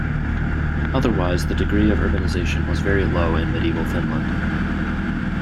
Otherwise the degree of urbanization was very low in medieval Finland.